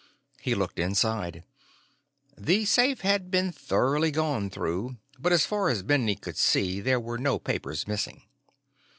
He looked inside. The safe had been thoroughly gone through, but as far as Bending could see, there were no papers missing.